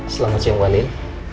selamat siang bu andien